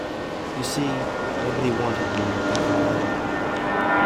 You see, nobody wanted me even then.